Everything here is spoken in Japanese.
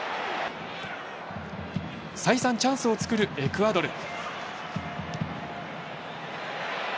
再三チャンスを作るエクアドル。